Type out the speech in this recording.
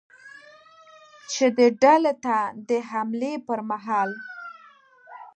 چې دې ډلې ته د حملې پرمهال ل